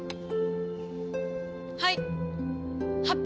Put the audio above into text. はい。